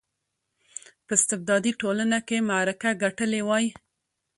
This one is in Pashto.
په استبدادي ټولنه کې معرکه ګټلې وای.